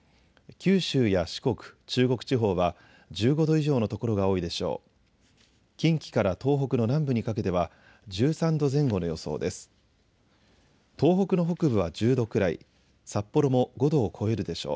九州や四国、中国地方は１５度以上の所が多いでしょう。